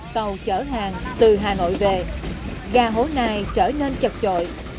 tàu chở hàng từ hà nội về ga hồ nai trở nên chật chội